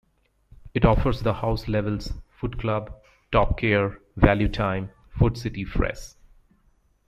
It offers the house labels "Food Club," "Top Care", "ValuTime", "Food City Fresh!